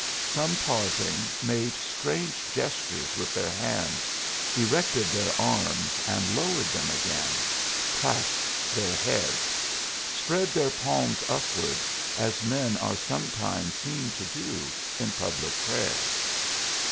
Some, pausing, made strange gestures with their hands, erected their arms and lowered them again, clasped their heads; spread their palms upward, as men are sometimes seen to do in public prayer.